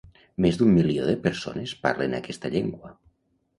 Més d'un milió de persones parlen aquesta llengua.